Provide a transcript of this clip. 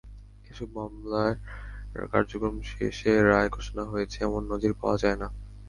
এসব মামলার কার্যক্রম শেষে রায় ঘোষণা হয়েছে—এমন নজির পাওয়া যায় না।